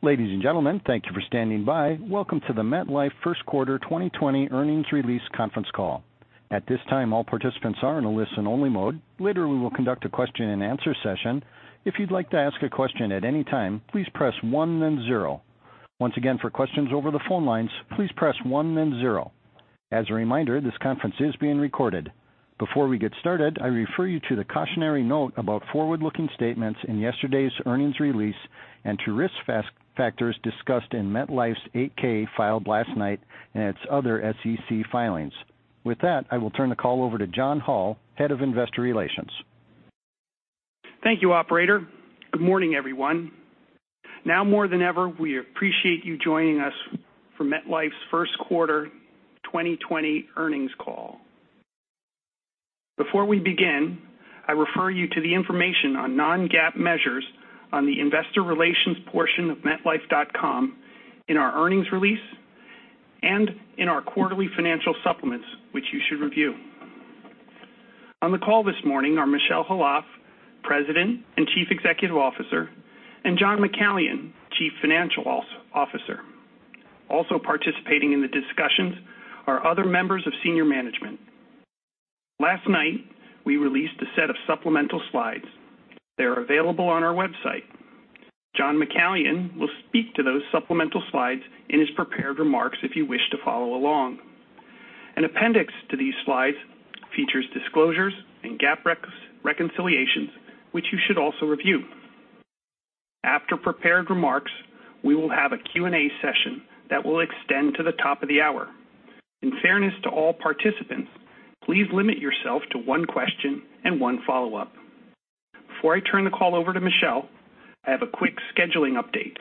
Ladies and gentlemen, thank you for standing by. Welcome to the MetLife First Quarter 2020 Earnings Release Conference Call. At this time, all participants are in a listen-only mode. Later, we will conduct a question-and-answer session. If you'd like to ask a question at any time, please press one then zero. Once again, for questions over the phone lines, please press one then zero. As a reminder, this conference is being recorded. Before we get started, I refer you to the cautionary note about forward-looking statements in yesterday's earnings release and to risk factors discussed in MetLife's 8-K filed last night and its other SEC filings. With that, I will turn the call over to John Hall, Head of Investor Relations. Thank you, operator. Good morning, everyone. Now more than ever, we appreciate you joining us for MetLife's First Quarter 2020 Earnings Call. Before we begin, I refer you to the information on non-GAAP measures on the investor relations portion of metlife.com in our earnings release and in our quarterly financial supplements, which you should review. On the call this morning are Michel Khalaf, President and Chief Executive Officer, and John McCallion, Chief Financial Officer. Also participating in the discussions are other members of senior management. Last night, we released a set of supplemental slides. They are available on our website. John McCallion will speak to those supplemental slides in his prepared remarks if you wish to follow along. An appendix to these slides features disclosures and GAAP reconciliations, which you should also review. After prepared remarks, we will have a Q&A session that will extend to the top of the hour. In fairness to all participants, please limit yourself to one question and one follow-up. Before I turn the call over to Michel, I have a quick scheduling update.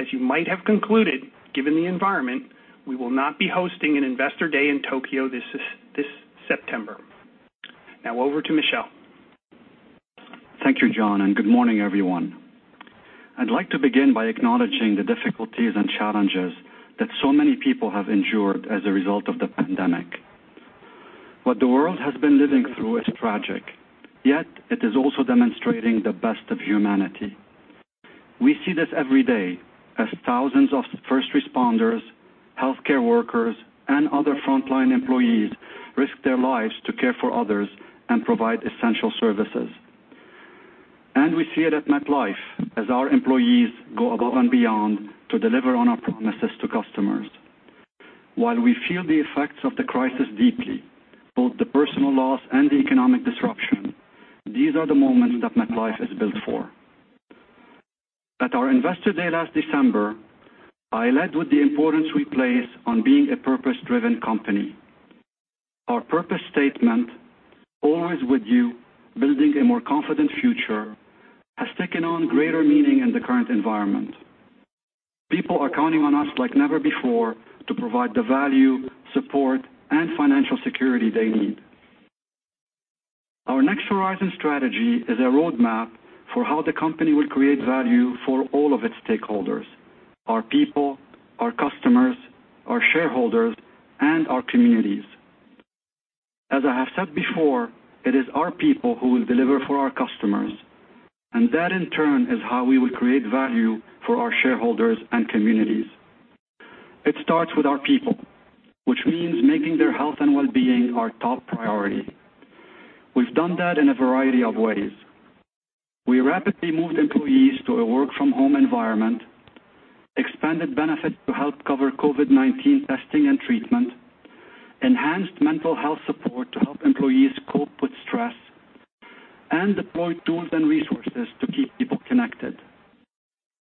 As you might have concluded, given the environment, we will not be hosting an Investor Day in Tokyo this September. Now over to Michel. Thank you, John, and good morning, everyone. I'd like to begin by acknowledging the difficulties and challenges that so many people have endured as a result of the pandemic. What the world has been living through is tragic, yet it is also demonstrating the best of humanity. We see this every day as thousands of first responders, healthcare workers, and other frontline employees risk their lives to care for others and provide essential services. We see it at MetLife as our employees go above and beyond to deliver on our promises to customers. While we feel the effects of the crisis deeply, both the personal loss and the economic disruption, these are the moments that MetLife is built for. At our Investor Day last December, I led with the importance we place on being a purpose-driven company. Our purpose statement, "Always with you, building a more confident future," has taken on greater meaning in the current environment. People are counting on us like never before to provide the value, support, and financial security they need. Our next horizon strategy is a roadmap for how the company will create value for all of its stakeholders: our people, our customers, our shareholders, and our communities. As I have said before, it is our people who will deliver for our customers, and that in turn is how we will create value for our shareholders and communities. It starts with our people, which means making their health and well-being our top priority. We've done that in a variety of ways. We rapidly moved employees to a work-from-home environment, expanded benefits to help cover COVID-19 testing and treatment, enhanced mental health support to help employees cope with stress, and deployed tools and resources to keep people connected.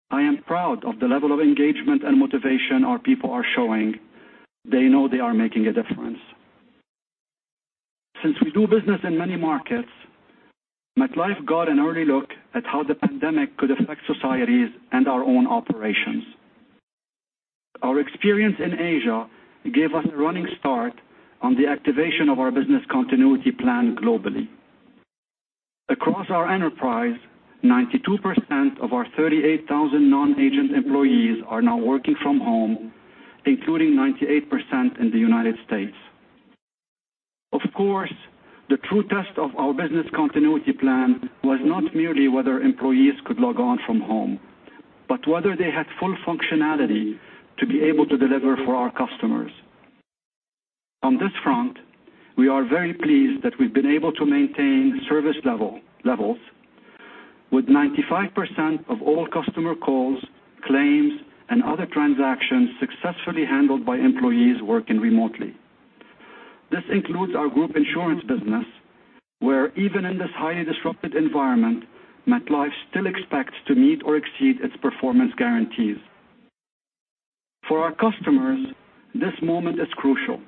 I am proud of the level of engagement and motivation our people are showing. They know they are making a difference. Since we do business in many markets, MetLife got an early look at how the pandemic could affect societies and our own operations. Our experience in Asia gave us a running start on the activation of our business continuity plan globally. Across our enterprise, 92% of our 38,000 non-agent employees are now working from home, including 98% in the United States. Of course, the true test of our business continuity plan was not merely whether employees could log on from home, but whether they had full functionality to be able to deliver for our customers. On this front, we are very pleased that we've been able to maintain service levels with 95% of all customer calls, claims, and other transactions successfully handled by employees working remotely. This includes our group insurance business, where even in this highly disrupted environment, MetLife still expects to meet or exceed its performance guarantees. For our customers, this moment is crucial.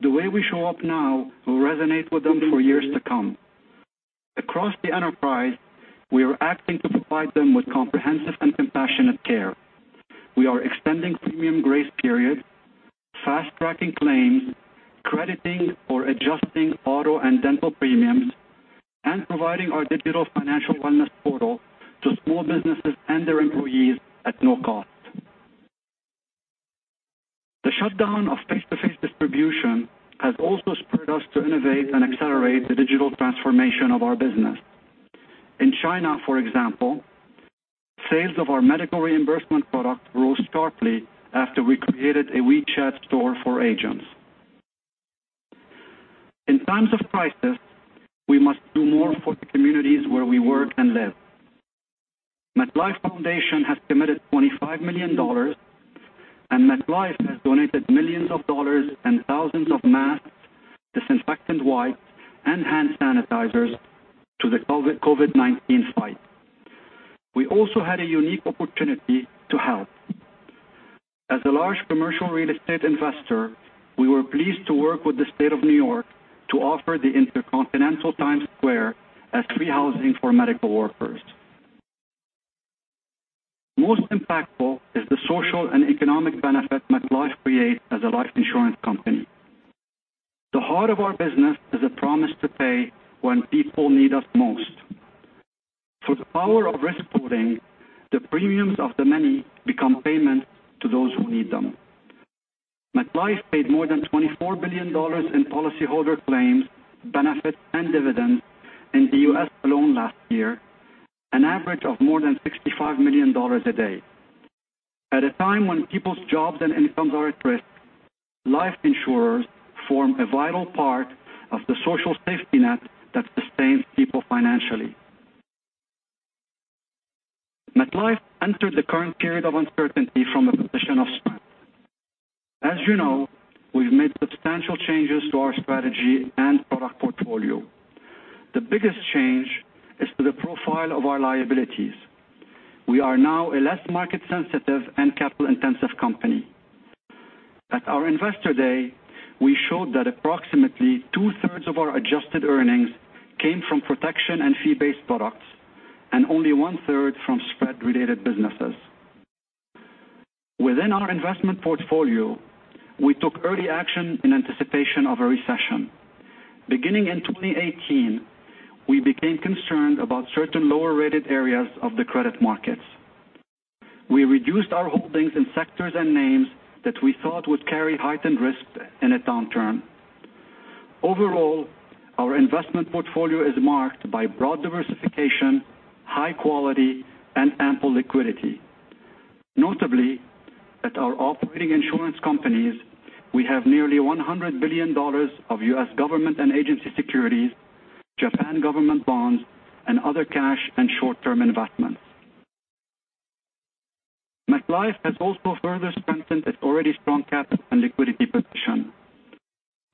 The way we show up now will resonate with them for years to come. Across the enterprise, we are acting to provide them with comprehensive and compassionate care. We are extending premium grace periods, fast-tracking claims, crediting or adjusting auto and dental premiums, and providing our digital financial wellness portal to small businesses and their employees at no cost. The shutdown of face-to-face distribution has also spurred us to innovate and accelerate the digital transformation of our business. In China, for example, sales of our medical reimbursement product rose sharply after we created a WeChat store for agents. In times of crisis, we must do more for the communities where we work and live. MetLife Foundation has committed $25 million, and MetLife has donated millions of dollars and thousands of masks, disinfectant wipes, and hand sanitizers to the COVID-19 fight. We also had a unique opportunity to help. As a large commercial real estate investor, we were pleased to work with the State of New York to offer the Intercontinental Times Square as free housing for medical workers. Most impactful is the social and economic benefit MetLife creates as a life insurance company. The heart of our business is a promise to pay when people need us most. For the power of risk holding, the premiums of the many become payments to those who need them. MetLife paid more than $24 billion in policyholder claims, benefits, and dividends in the U.S. alone last year, an average of more than $65 million a day. At a time when people's jobs and incomes are at risk, life insurers form a vital part of the social safety net that sustains people financially. MetLife entered the current period of uncertainty from a position of strength. As you know, we've made substantial changes to our strategy and product portfolio. The biggest change is to the profile of our liabilities. We are now a less market-sensitive and capital-intensive company. At our Investor Day, we showed that approximately two-thirds of our adjusted earnings came from protection and fee-based products, and only one-third from spread-related businesses. Within our investment portfolio, we took early action in anticipation of a recession. Beginning in 2018, we became concerned about certain lower-rated areas of the credit markets. We reduced our holdings in sectors and names that we thought would carry heightened risk in a downturn. Overall, our investment portfolio is marked by broad diversification, high quality, and ample liquidity. Notably, at our operating insurance companies, we have nearly $100 billion of U.S. government and agency securities, Japan government bonds, and other cash and short-term investments. MetLife has also further strengthened its already strong capital and liquidity position.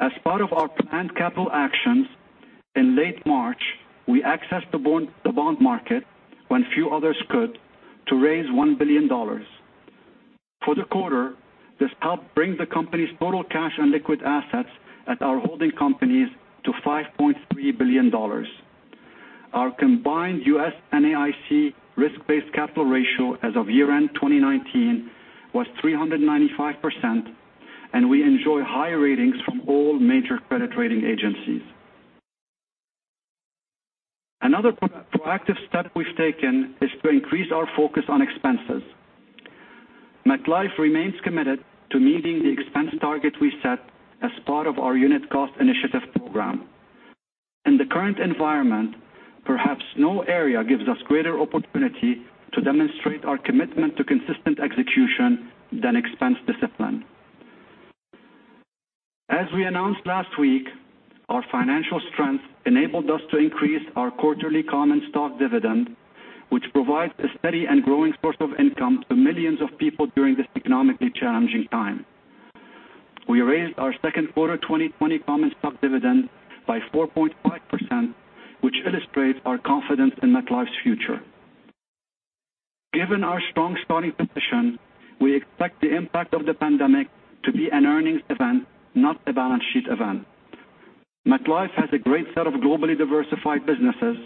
As part of our planned capital actions, in late March, we accessed the bond market, when few others could, to raise $1 billion. For the quarter, this helped bring the company's total cash and liquid assets at our holding companies to $5.3 billion. Our combined U.S.-NAIC risk-based capital ratio as of year-end 2019 was 395%, and we enjoy high ratings from all major credit rating agencies. Another proactive step we've taken is to increase our focus on expenses. MetLife remains committed to meeting the expense target we set as part of our unit cost initiative program. In the current environment, perhaps no area gives us greater opportunity to demonstrate our commitment to consistent execution than expense discipline. As we announced last week, our financial strength enabled us to increase our quarterly common stock dividend, which provides a steady and growing source of income to millions of people during this economically challenging time. We raised our second quarter 2020 common stock dividend by 4.5%, which illustrates our confidence in MetLife's future. Given our strong starting position, we expect the impact of the pandemic to be an earnings event, not a balance sheet event. MetLife has a great set of globally diversified businesses,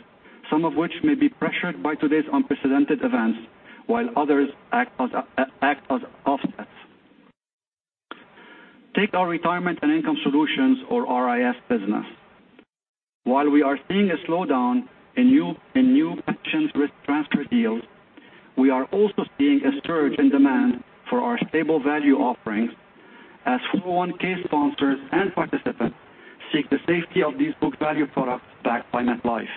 some of which may be pressured by today's unprecedented events, while others act as offsets. Take our retirement and income solutions, or RIS, business. While we are seeing a slowdown in new pension risk transfer deals, we are also seeing a surge in demand for our stable value offerings as 401(k) sponsors and participants seek the safety of these book value products backed by MetLife.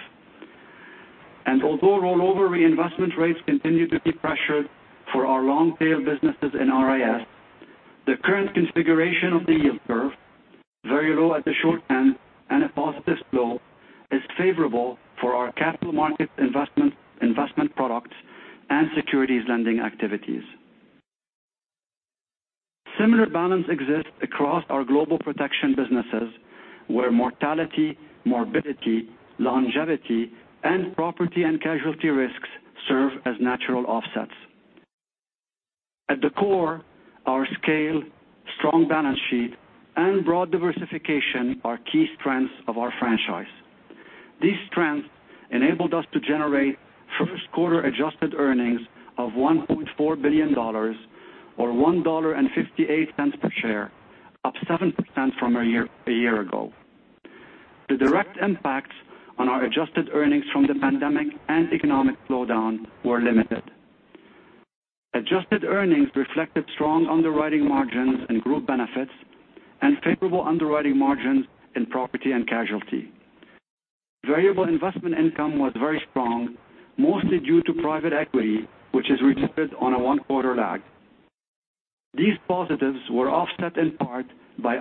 Although rollover reinvestment rates continue to be pressured for our long-tail businesses in RIS, the current configuration of the yield curve, very low at the short end and a positive flow, is favorable for our capital markets investment products and securities lending activities. Similar balance exists across our global protection businesses, where mortality, morbidity, longevity, and property and casualty risks serve as natural offsets. At the core, our scale, strong balance sheet, and broad diversification are key strengths of our franchise. These strengths enabled us to generate first quarter adjusted earnings of $1.4 billion, or $1.58 per share, up 7% from a year ago. The direct impacts on our adjusted earnings from the pandemic and economic slowdown were limited. Adjusted earnings reflected strong underwriting margins in group benefits and favorable underwriting margins in property and casualty. Variable investment income was very strong, mostly due to private equity, which is reported on a one-quarter lag. These positives were offset in part by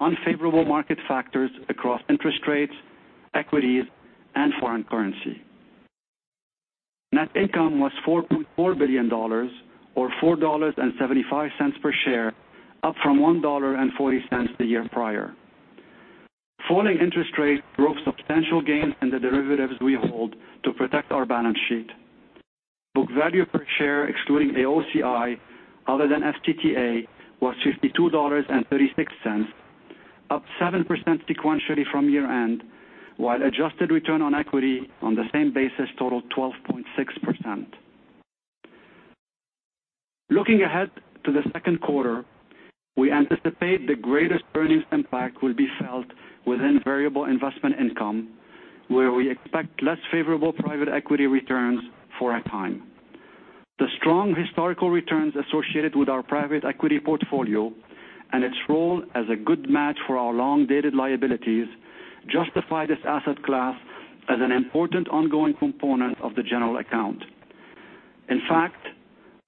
unfavorable market factors across interest rates, equities, and foreign currency. Net income was $4.4 billion, or $4.75 per share, up from $1.40 the year prior. Falling interest rates drove substantial gains in the derivatives we hold to protect our balance sheet. Book value per share, excluding AOCI other than FTTA, was $52.36, up 7% sequentially from year-end, while adjusted return on equity on the same basis totaled 12.6%. Looking ahead to the second quarter, we anticipate the greatest earnings impact will be felt within variable investment income, where we expect less favorable private equity returns for a time. The strong historical returns associated with our private equity portfolio and its role as a good match for our long-dated liabilities justify this asset class as an important ongoing component of the general account. In fact,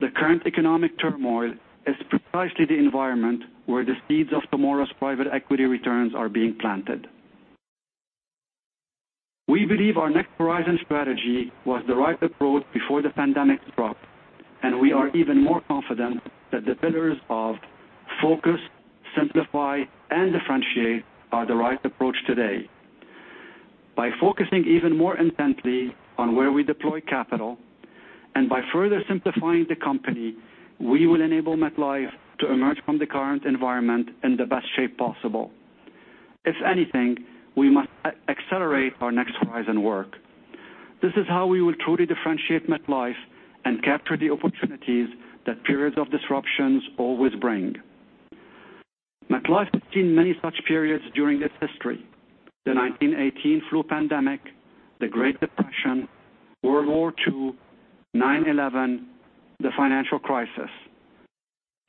the current economic turmoil is precisely the environment where the seeds of tomorrow's private equity returns are being planted. We believe our next horizon strategy was the right approach before the pandemic struck, and we are even more confident that the pillars of focus, simplify, and differentiate are the right approach today. By focusing even more intently on where we deploy capital and by further simplifying the company, we will enable MetLife to emerge from the current environment in the best shape possible. If anything, we must accelerate our next horizon work. This is how we will truly differentiate MetLife and capture the opportunities that periods of disruptions always bring. MetLife has seen many such periods during its history: the 1918 flu pandemic, the Great Depression, World War II, 9/11, the financial crisis.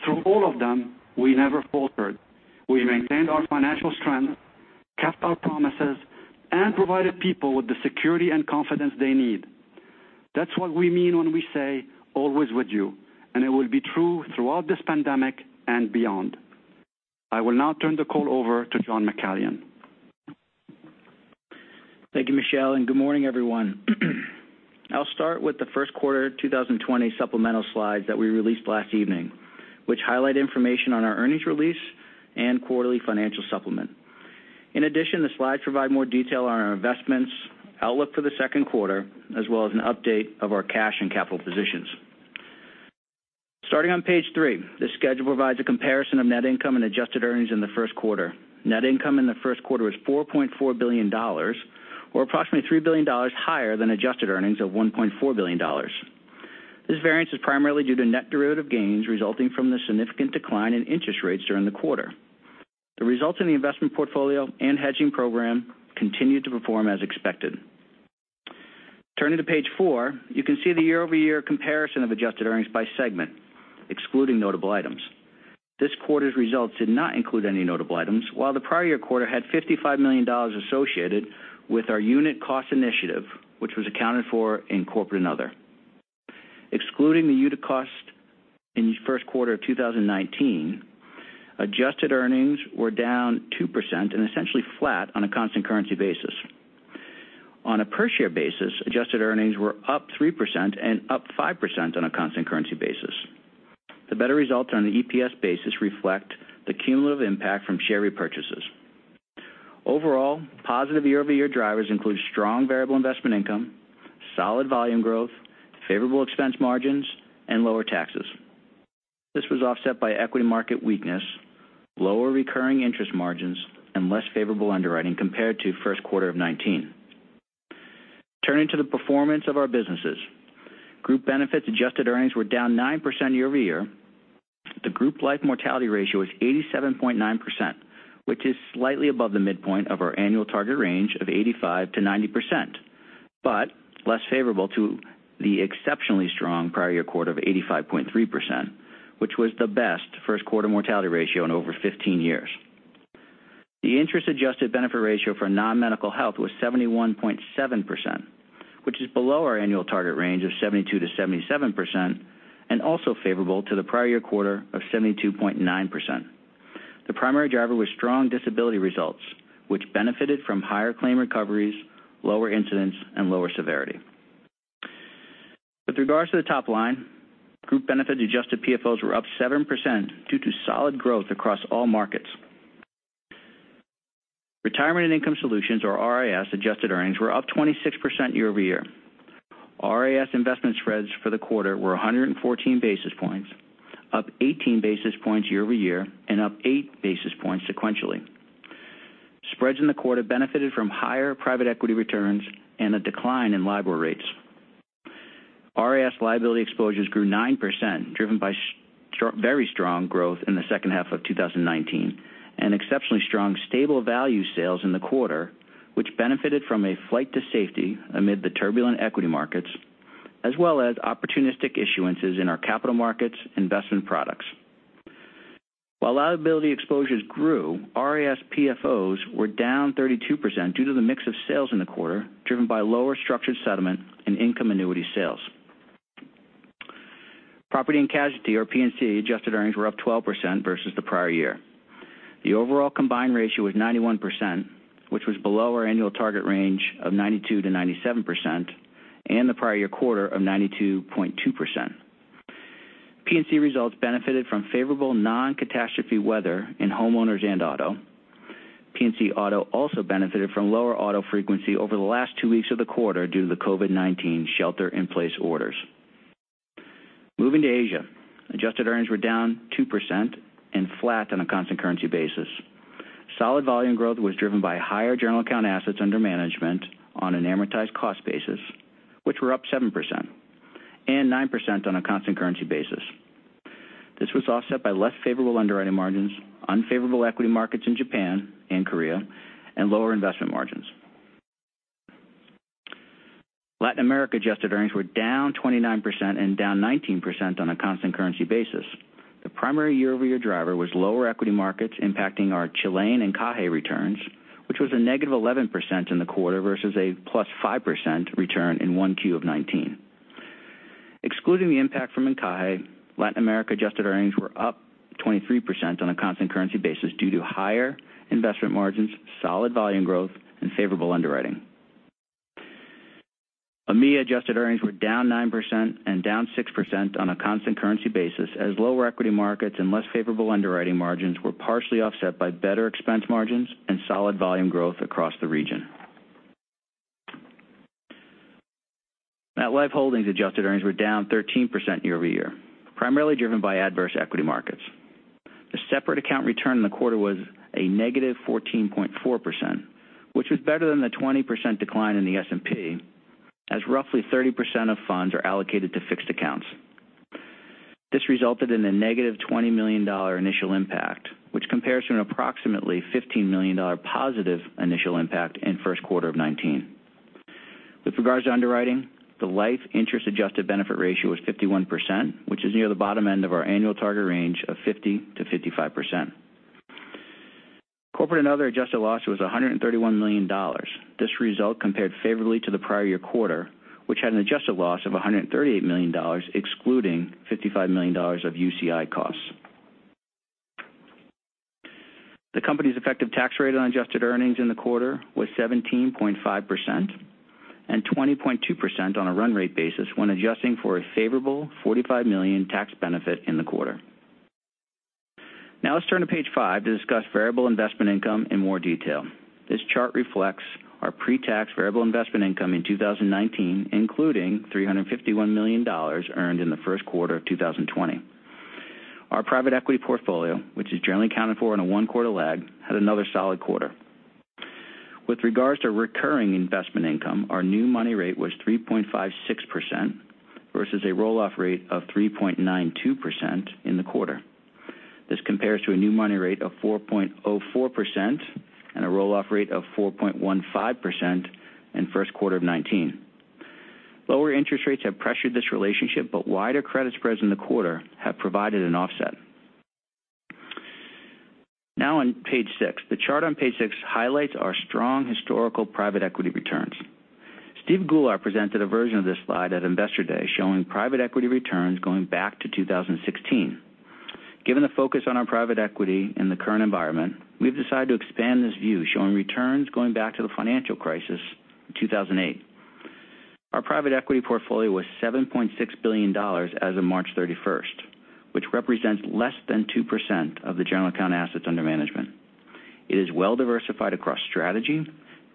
Through all of them, we never faltered. We maintained our financial strength, kept our promises, and provided people with the security and confidence they need. That's what we mean when we say, "Always with you," and it will be true throughout this pandemic and beyond. I will now turn the call over to John McCallion. Thank you, Michel, and good morning, everyone. I'll start with the first quarter 2020 supplemental slides that we released last evening, which highlight information on our earnings release and quarterly financial supplement. In addition, the slides provide more detail on our investments, outlook for the second quarter, as well as an update of our cash and capital positions. Starting on page three, this schedule provides a comparison of net income and adjusted earnings in the first quarter. Net income in the first quarter is $4.4 billion, or approximately $3 billion higher than adjusted earnings of $1.4 billion. This variance is primarily due to net derivative gains resulting from the significant decline in interest rates during the quarter. The results in the investment portfolio and hedging program continue to perform as expected. Turning to page four, you can see the year-over-year comparison of adjusted earnings by segment, excluding notable items. This quarter's results did not include any notable items, while the prior year quarter had $55 million associated with our unit cost initiative, which was accounted for in corporate and other. Excluding the unit cost in the first quarter of 2019, adjusted earnings were down 2% and essentially flat on a constant currency basis. On a per-share basis, adjusted earnings were up 3% and up 5% on a constant currency basis. The better results on an EPS basis reflect the cumulative impact from share repurchases. Overall, positive year-over-year drivers include strong variable investment income, solid volume growth, favorable expense margins, and lower taxes. This was offset by equity market weakness, lower recurring interest margins, and less favorable underwriting compared to first quarter of 2019. Turning to the performance of our businesses, group benefits adjusted earnings were down 9% year-over-year. The group life mortality ratio is 87.9%, which is slightly above the midpoint of our annual target range of 85-90%, but less favorable to the exceptionally strong prior year quarter of 85.3%, which was the best first quarter mortality ratio in over 15 years. The interest-adjusted benefit ratio for non-medical health was 71.7%, which is below our annual target range of 72-77% and also favorable to the prior year quarter of 72.9%. The primary driver was strong disability results, which benefited from higher claim recoveries, lower incidents, and lower severity. With regards to the top line, group benefits adjusted PFOs were up 7% due to solid growth across all markets. Retirement and income solutions, or RIS, adjusted earnings were up 26% year-over-year. RIS investment spreads for the quarter were 114 basis points, up 18 basis points year-over-year, and up 8 basis points sequentially. Spreads in the quarter benefited from higher private equity returns and a decline in Libor rates. RIS liability exposures grew 9%, driven by very strong growth in the second half of 2019 and exceptionally strong stable value sales in the quarter, which benefited from a flight to safety amid the turbulent equity markets, as well as opportunistic issuances in our capital markets investment products. While liability exposures grew, RIS PFOs were down 32% due to the mix of sales in the quarter, driven by lower structured settlement and income annuity sales. Property and casualty, or P&C, adjusted earnings were up 12% versus the prior year. The overall combined ratio was 91%, which was below our annual target range of 92-97% and the prior year quarter of 92.2%. P&C results benefited from favorable non-catastrophe weather in homeowners and auto. P&C auto also benefited from lower auto frequency over the last two weeks of the quarter due to the COVID-19 shelter-in-place orders. Moving to Asia, adjusted earnings were down 2% and flat on a constant currency basis. Solid volume growth was driven by higher general account assets under management on an amortized cost basis, which were up 7% and 9% on a constant currency basis. This was offset by less favorable underwriting margins, unfavorable equity markets in Japan and Korea, and lower investment margins. Latin America adjusted earnings were down 29% and down 19% on a constant currency basis. The primary year-over-year driver was lower equity markets impacting our Chilean and Cajay returns, which was a negative 11% in the quarter versus a plus 5% return in one Q of 2019. Excluding the impact from Cajay, Latin America adjusted earnings were up 23% on a constant currency basis due to higher investment margins, solid volume growth, and favorable underwriting. AMIA adjusted earnings were down 9% and down 6% on a constant currency basis as lower equity markets and less favorable underwriting margins were partially offset by better expense margins and solid volume growth across the region. MetLife Holdings adjusted earnings were down 13% year-over-year, primarily driven by adverse equity markets. The separate account return in the quarter was a negative 14.4%, which was better than the 20% decline in the S&P, as roughly 30% of funds are allocated to fixed accounts. This resulted in a negative $20 million initial impact, which compares to an approximately $15 million positive initial impact in first quarter of 2019. With regards to underwriting, the life interest adjusted benefit ratio was 51%, which is near the bottom end of our annual target range of 50-55%. Corporate and other adjusted loss was $131 million. This result compared favorably to the prior year quarter, which had an adjusted loss of $138 million, excluding $55 million of UCI costs. The company's effective tax rate on adjusted earnings in the quarter was 17.5% and 20.2% on a run rate basis when adjusting for a favorable $45 million tax benefit in the quarter. Now let's turn to page five to discuss variable investment income in more detail. This chart reflects our pre-tax variable investment income in 2019, including $351 million earned in the first quarter of 2020. Our private equity portfolio, which is generally accounted for in a one-quarter lag, had another solid quarter. With regards to recurring investment income, our new money rate was 3.56% versus a roll-off rate of 3.92% in the quarter. This compares to a new money rate of 4.04% and a roll-off rate of 4.15% in first quarter of 2019. Lower interest rates have pressured this relationship, but wider credit spreads in the quarter have provided an offset. Now on page six, the chart on page six highlights our strong historical private equity returns. Steve Goulart presented a version of this slide at Investor Day showing private equity returns going back to 2016. Given the focus on our private equity in the current environment, we've decided to expand this view showing returns going back to the financial crisis in 2008. Our private equity portfolio was $7.6 billion as of March 31st, which represents less than 2% of the general account assets under management. It is well-diversified across strategy,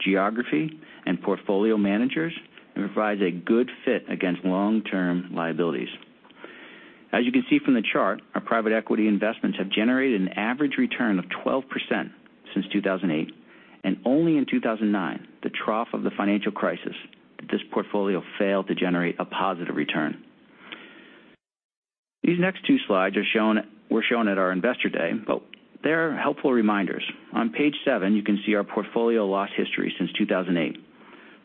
geography, and portfolio managers and provides a good fit against long-term liabilities. As you can see from the chart, our private equity investments have generated an average return of 12% since 2008, and only in 2009, the trough of the financial crisis, this portfolio failed to generate a positive return. These next two slides were shown at our Investor Day, but they are helpful reminders. On page seven, you can see our portfolio loss history since 2008.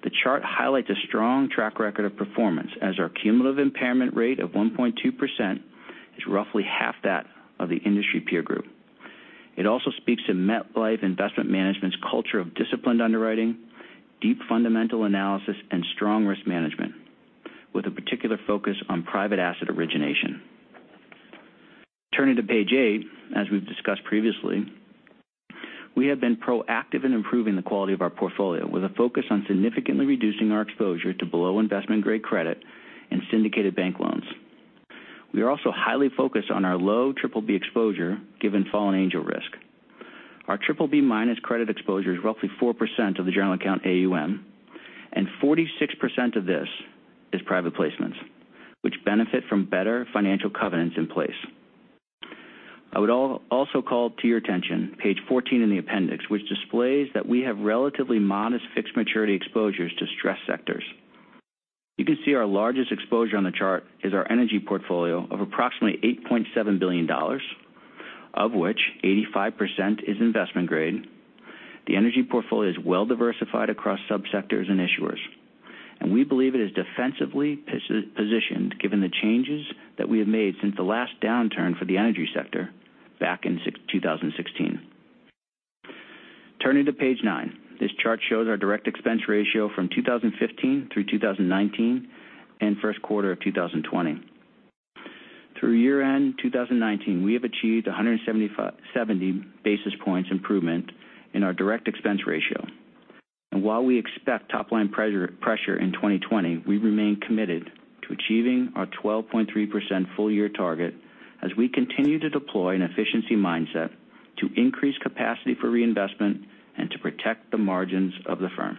The chart highlights a strong track record of performance as our cumulative impairment rate of 1.2% is roughly half that of the industry peer group. It also speaks to MetLife Investment Management's culture of disciplined underwriting, deep fundamental analysis, and strong risk management, with a particular focus on private asset origination. Turning to page eight, as we've discussed previously, we have been proactive in improving the quality of our portfolio with a focus on significantly reducing our exposure to below investment-grade credit and syndicated bank loans. We are also highly focused on our low BBB exposure given fallen angel risk. Our BBB minus credit exposure is roughly 4% of the general account AUM, and 46% of this is private placements, which benefit from better financial covenants in place. I would also call to your attention page 14 in the appendix, which displays that we have relatively modest fixed maturity exposures to stress sectors. You can see our largest exposure on the chart is our energy portfolio of approximately $8.7 billion, of which 85% is investment grade. The energy portfolio is well-diversified across subsectors and issuers, and we believe it is defensively positioned given the changes that we have made since the last downturn for the energy sector back in 2016. Turning to page nine, this chart shows our direct expense ratio from 2015 through 2019 and first quarter of 2020. Through year-end 2019, we have achieved 170 basis points improvement in our direct expense ratio. While we expect top-line pressure in 2020, we remain committed to achieving our 12.3% full-year target as we continue to deploy an efficiency mindset to increase capacity for reinvestment and to protect the margins of the firm.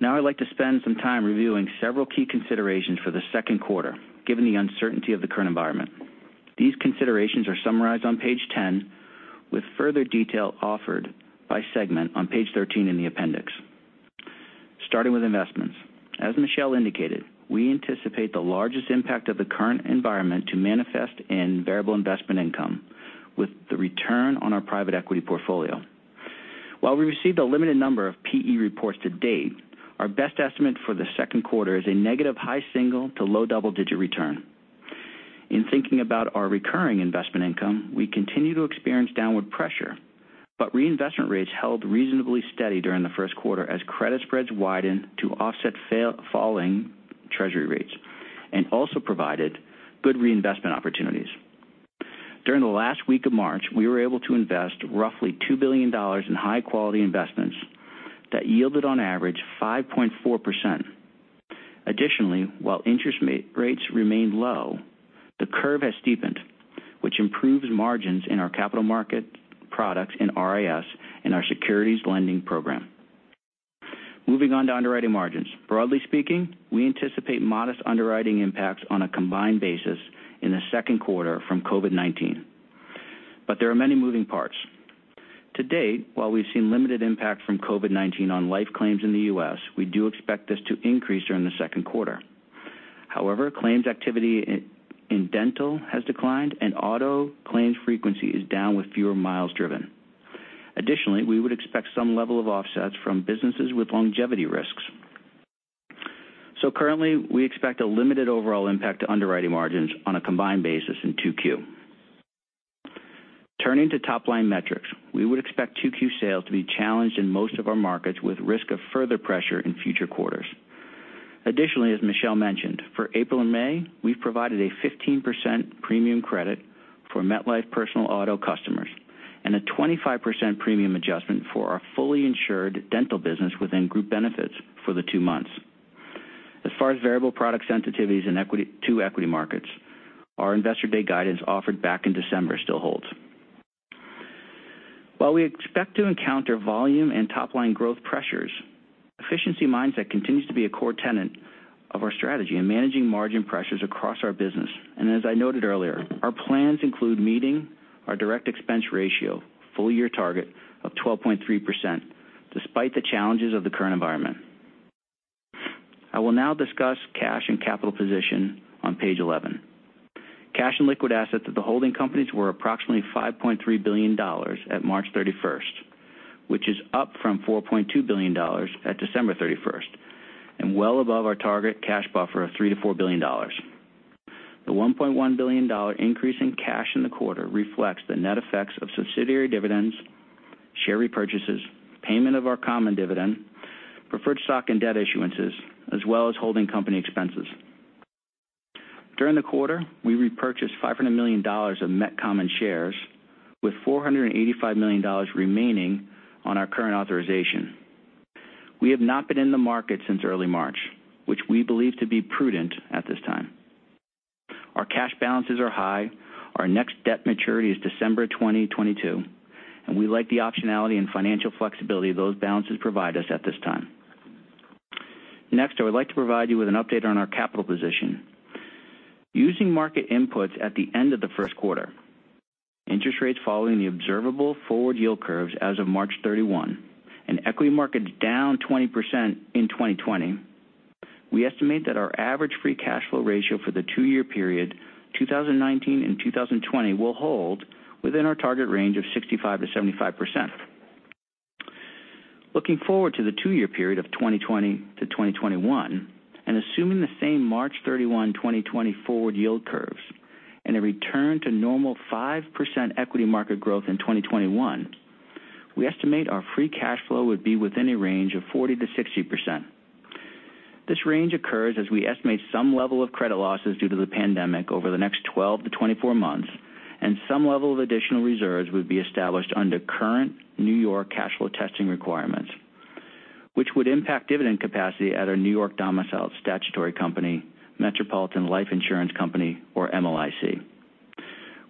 Now I'd like to spend some time reviewing several key considerations for the second quarter given the uncertainty of the current environment. These considerations are summarized on page 10 with further detail offered by segment on page 13 in the appendix. Starting with investments, as Michel indicated, we anticipate the largest impact of the current environment to manifest in variable investment income with the return on our private equity portfolio. While we received a limited number of PE reports to date, our best estimate for the second quarter is a negative high single- to low double-digit return. In thinking about our recurring investment income, we continue to experience downward pressure, but reinvestment rates held reasonably steady during the first quarter as credit spreads widened to offset falling treasury rates and also provided good reinvestment opportunities. During the last week of March, we were able to invest roughly $2 billion in high-quality investments that yielded on average 5.4%. Additionally, while interest rates remained low, the curve has steepened, which improves margins in our capital market products and RIS and our securities lending program. Moving on to underwriting margins. Broadly speaking, we anticipate modest underwriting impacts on a combined basis in the second quarter from COVID-19, but there are many moving parts. To date, while we've seen limited impact from COVID-19 on life claims in the U.S., we do expect this to increase during the second quarter. However, claims activity in dental has declined, and auto claims frequency is down with fewer miles driven. Additionally, we would expect some level of offsets from businesses with longevity risks. Currently, we expect a limited overall impact to underwriting margins on a combined basis in Q2. Turning to top-line metrics, we would expect Q2 sales to be challenged in most of our markets with risk of further pressure in future quarters. Additionally, as Michel mentioned, for April and May, we've provided a 15% premium credit for MetLife personal auto customers and a 25% premium adjustment for our fully insured dental business within group benefits for the two months. As far as variable product sensitivities and equity to equity markets, our Investor Day guidance offered back in December still holds. While we expect to encounter volume and top-line growth pressures, efficiency mindset continues to be a core tenet of our strategy in managing margin pressures across our business. As I noted earlier, our plans include meeting our direct expense ratio, full-year target of 12.3%, despite the challenges of the current environment. I will now discuss cash and capital position on page 11. Cash and liquid assets of the holding companies were approximately $5.3 billion at March 31stst, which is up from $4.2 billion at December 31 and well above our target cash buffer of $3-$4 billion. The $1.1 billion increase in cash in the quarter reflects the net effects of subsidiary dividends, share repurchases, payment of our common dividend, preferred stock and debt issuances, as well as holding company expenses. During the quarter, we repurchased $500 million of MetLife common shares, with $485 million remaining on our current authorization. We have not been in the market since early March, which we believe to be prudent at this time. Our cash balances are high. Our next debt maturity is December 2022, and we like the optionality and financial flexibility those balances provide us at this time. Next, I would like to provide you with an update on our capital position. Using market inputs at the end of the first quarter, interest rates following the observable forward yield curves as of March 31, and equity markets down 20% in 2020, we estimate that our average free cash flow ratio for the two-year period, 2019 and 2020, will hold within our target range of 65-75%. Looking forward to the two-year period of 2020 to 2021, and assuming the same March 31, 2020 forward yield curves and a return to normal 5% equity market growth in 2021, we estimate our free cash flow would be within a range of 40-60%. This range occurs as we estimate some level of credit losses due to the pandemic over the next 12-24 months, and some level of additional reserves would be established under current New York cash flow testing requirements, which would impact dividend capacity at our New York domiciled statutory company, Metropolitan Life Insurance Company, or MLIC.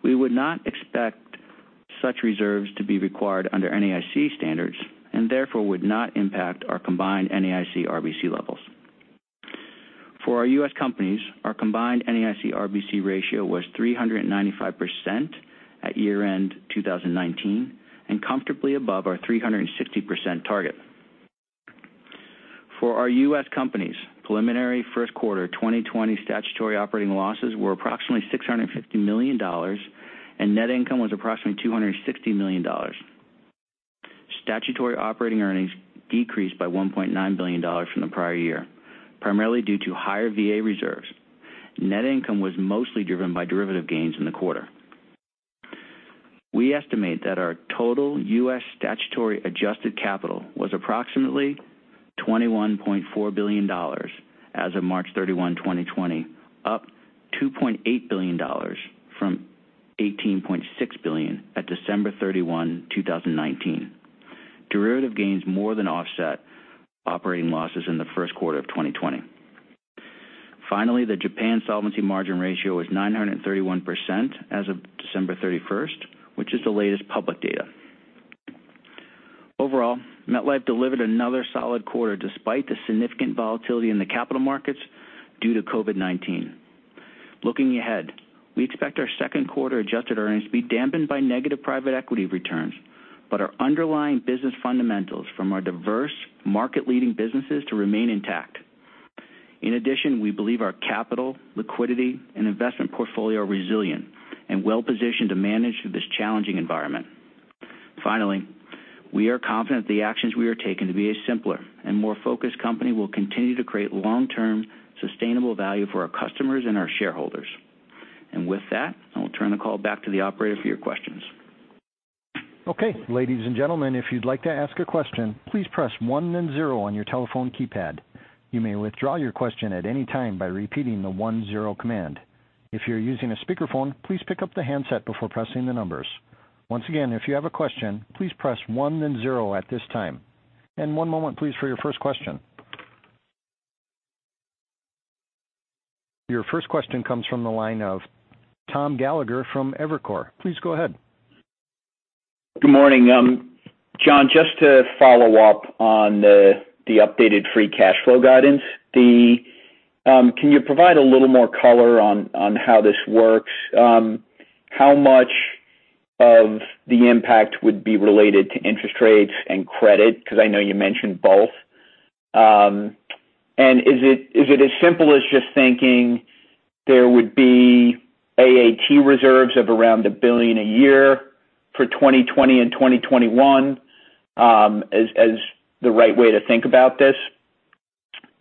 We would not expect such reserves to be required under NAIC standards and therefore would not impact our combined NAIC-RBC levels. For our U.S. companies, our combined NAIC-RBC ratio was 395% at year-end 2019 and comfortably above our 360% target. For our U.S. companies, preliminary first quarter 2020 statutory operating losses were approximately $650 million, and net income was approximately $260 million. Statutory operating earnings decreased by $1.9 billion from the prior year, primarily due to higher VA reserves. Net income was mostly driven by derivative gains in the quarter. We estimate that our total U.S. statutory adjusted capital was approximately $21.4 billion as of March 31, 2020, up $2.8 billion from $18.6 billion at December 31, 2019. Derivative gains more than offset operating losses in the first quarter of 2020. Finally, the Japan solvency margin ratio was 931% as of December 31st, which is the latest public data. Overall, MetLife delivered another solid quarter despite the significant volatility in the capital markets due to COVID-19. Looking ahead, we expect our second quarter adjusted earnings to be dampened by negative private equity returns, but our underlying business fundamentals from our diverse market-leading businesses to remain intact. In addition, we believe our capital, liquidity, and investment portfolio are resilient and well-positioned to manage this challenging environment. Finally, we are confident that the actions we are taking to be a simpler and more focused company will continue to create long-term sustainable value for our customers and our shareholders. With that, I will turn the call back to the operator for your questions. Okay, ladies and gentlemen, if you'd like to ask a question, please press one and zero on your telephone keypad. You may withdraw your question at any time by repeating the one-zero command. If you're using a speakerphone, please pick up the handset before pressing the numbers. Once again, if you have a question, please press one and zero at this time. One moment, please, for your first question. Your first question comes from the line of Tom Gallagher from Evercore. Please go ahead. Good morning. John, just to follow up on the updated free cash flow guidance, can you provide a little more color on how this works? How much of the impact would be related to interest rates and credit? Because I know you mentioned both. Is it as simple as just thinking there would be AAT reserves of around $1 billion a year for 2020 and 2021 as the right way to think about this?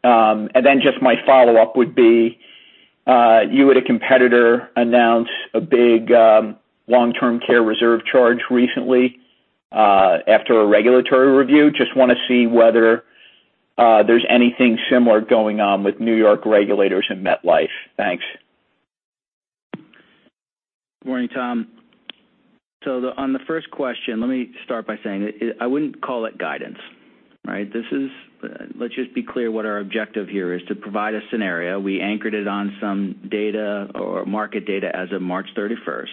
And then my follow-up would be, you had a competitor announce a big long-term care reserve charge recently after a regulatory review. I just want to see whether there's anything similar going on with New York regulators and MetLife. Thanks. Good morning, Tom. On the first question, let me start by saying I would not call it guidance, right? Let's just be clear what our objective here is to provide a scenario. We anchored it on some data or market data as of March 31.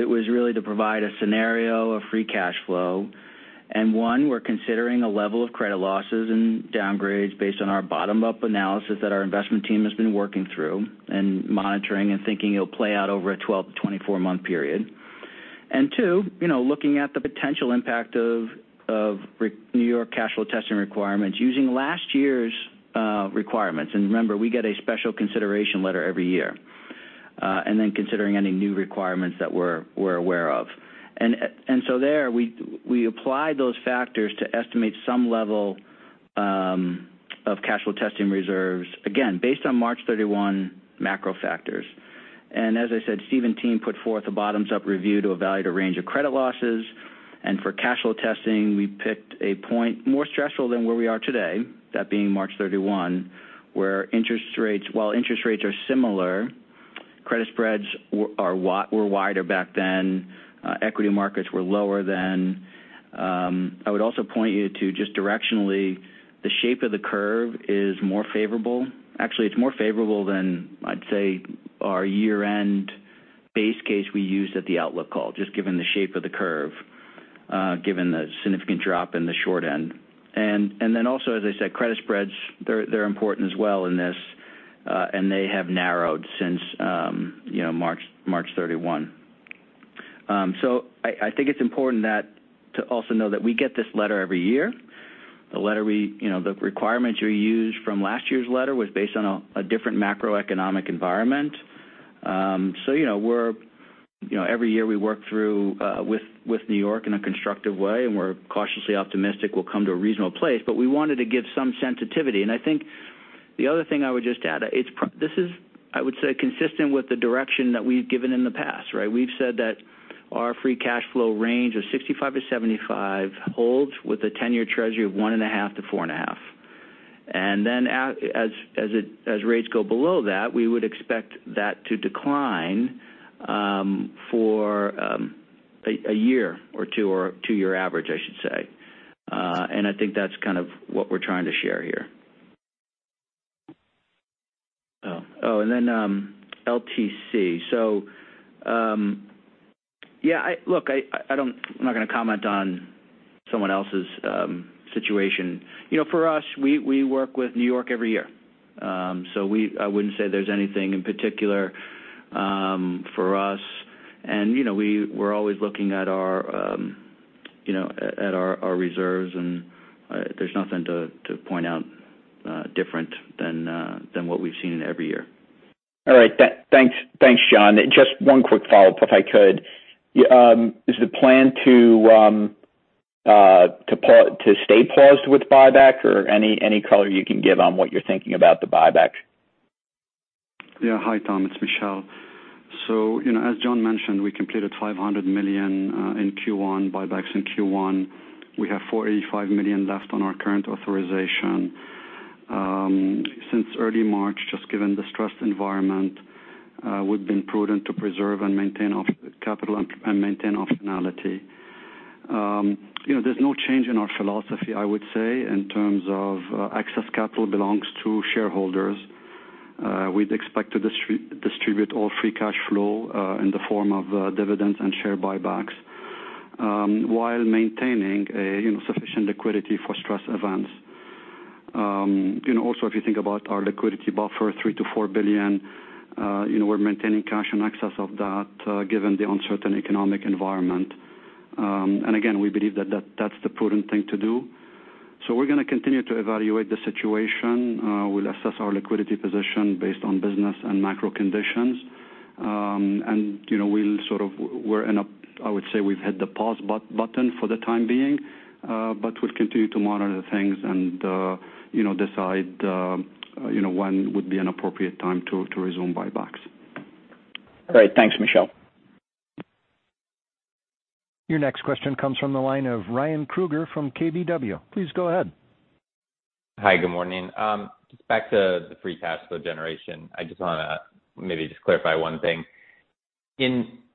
It was really to provide a scenario of free cash flow. One, we are considering a level of credit losses and downgrades based on our bottom-up analysis that our investment team has been working through and monitoring and thinking it will play out over a 12-24 month period. Two, looking at the potential impact of New York cash flow testing requirements using last year's requirements. Remember, we get a special consideration letter every year, and then considering any new requirements that we are aware of. There, we applied those factors to estimate some level of cash flow testing reserves, again, based on March 31 macro factors. As I said, Steve and team put forth a bottoms-up review to evaluate a range of credit losses. For cash flow testing, we picked a point more stressful than where we are today, that being March 31, where interest rates, while interest rates are similar, credit spreads were wider back then. Equity markets were lower then. I would also point you to just directionally, the shape of the curve is more favorable. Actually, it is more favorable than, I would say, our year-end base case we used at the outlook call, just given the shape of the curve, given the significant drop in the short end. Also, as I said, credit spreads, they are important as well in this, and they have narrowed since March 31. I think it's important to also know that we get this letter every year. The requirements we used from last year's letter were based on a different macroeconomic environment. Every year, we work through with New York in a constructive way, and we're cautiously optimistic we'll come to a reasonable place. We wanted to give some sensitivity. I think the other thing I would just add, this is, I would say, consistent with the direction that we've given in the past, right? We've said that our free cash flow range of $65-$75 holds with a 10-year treasury of 1.5-4.5. As rates go below that, we would expect that to decline for a year or two, or a two-year average, I should say. I think that's kind of what we're trying to share here. Oh, and then LTC. Yeah, look, I'm not going to comment on someone else's situation. For us, we work with New York every year. I wouldn't say there's anything in particular for us. We're always looking at our reserves, and there's nothing to point out different than what we've seen every year. All right. Thanks, John. Just one quick follow-up, if I could. Is the plan to stay paused with buyback, or any color you can give on what you're thinking about the buyback? Yeah. Hi, Tom. It's Michel. As John mentioned, we completed $500 million in Q1, buybacks in Q1. We have $485 million left on our current authorization. Since early March, just given the stressed environment, we've been prudent to preserve and maintain optionality. There's no change in our philosophy, I would say, in terms of excess capital belongs to shareholders. We'd expect to distribute all free cash flow in the form of dividends and share buybacks while maintaining sufficient liquidity for stress events. Also, if you think about our liquidity buffer, $3 billion-$4 billion, we're maintaining cash in excess of that given the uncertain economic environment. Again, we believe that that's the prudent thing to do. We're going to continue to evaluate the situation. We'll assess our liquidity position based on business and macro conditions. I would say, we've hit the pause button for the time being, but we'll continue to monitor things and decide when would be an appropriate time to resume buybacks. All right. Thanks, Michel. Your next question comes from the line of Ryan Kruger from KBW. Please go ahead. Hi, good morning. Just back to the free cash flow generation, I just want to maybe just clarify one thing.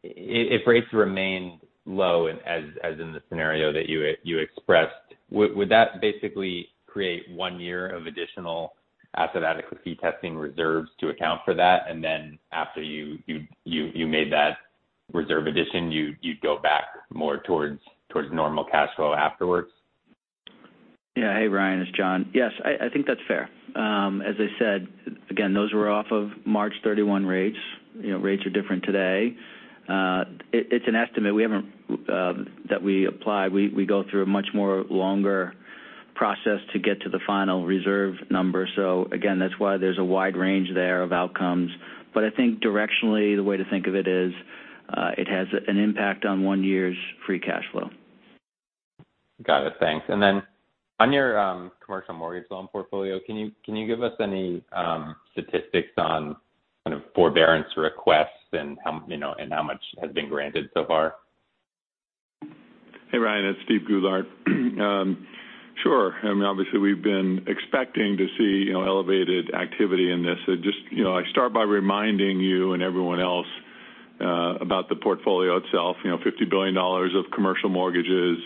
If rates remained low, as in the scenario that you expressed, would that basically create one year of additional asset adequacy testing reserves to account for that? After you made that reserve addition, you'd go back more towards normal cash flow afterwards? Yeah. Hey, Ryan. It's John. Yes, I think that's fair. As I said, again, those were off of March 31 rates. Rates are different today. It's an estimate that we apply. We go through a much more longer process to get to the final reserve number. Again, that's why there's a wide range there of outcomes. I think directionally, the way to think of it is it has an impact on one year's free cash flow. Got it. Thanks. On your commercial mortgage loan portfolio, can you give us any statistics on kind of forbearance requests and how much has been granted so far? Hey, Ryan. It's Steve Goulart. Sure. I mean, obviously, we've been expecting to see elevated activity in this. I start by reminding you and everyone else about the portfolio itself: $50 billion of commercial mortgages